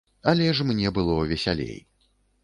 Але ж мне было весялей.